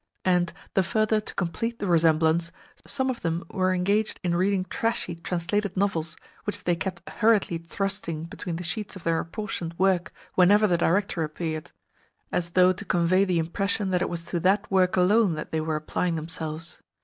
And, the further to complete the resemblance, some of them were engaged in reading trashy translated novels, which they kept hurriedly thrusting between the sheets of their apportioned work whenever the Director appeared, as though to convey the impression that it was to that work alone that they were applying themselves.